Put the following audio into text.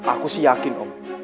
aku sih yakin om